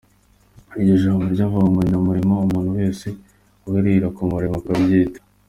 Iryo jambo ryavugaga ’umunyamurimo’, umuntu wese uhirira ku murimo akabyiyita.